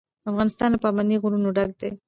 افغانستان له پابندی غرونه ډک دی.